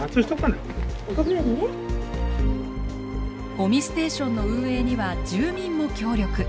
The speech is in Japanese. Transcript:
ごみステーションの運営には住民も協力。